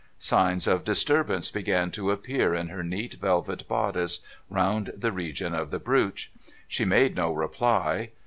Signs of disturbance began to appear in her neat velvet bodice, round the region of the brooch. She made no reply.